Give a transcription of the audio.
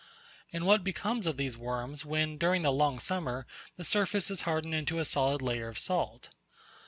And what becomes of these worms when, during the long summer, the surface is hardened into a solid layer of salt?